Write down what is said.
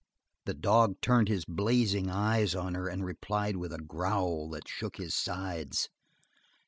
The dog turned his blazing eyes on her and replied with a growl that shook his sides.